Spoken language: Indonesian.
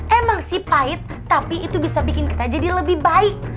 emang sih pahit tapi itu bisa bikin kita jadi lebih baik